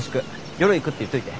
夜行くって言っといて。